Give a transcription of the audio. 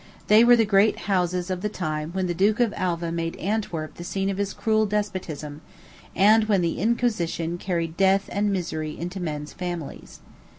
They were the great houses of the time when the Duke of Alva made Antwerp the scene of his cruel despotism, and when the Inquisition carried death and misery into men's families.